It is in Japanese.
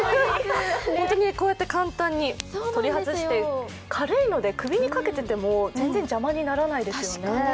こうやって簡単に取り外せて軽いので、首にかけてても全然邪魔にならないですよね。